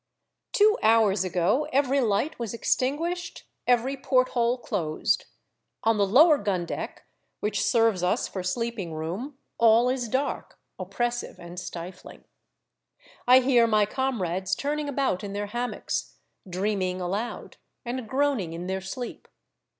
Two hours ago every light was extinguished, every porthole closed. On the lower gun deck, which serves us for sleeping room, all is dark, op pressive, and sdfling. I hear my comrades turning about in their hammocks, dreaming aloud, and groaning in their sleep.